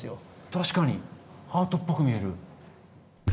確かにハートっぽく見える。